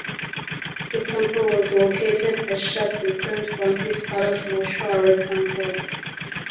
The temple was located a short distance from his father's mortuary temple.